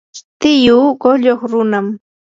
tiyuu qulluq runam.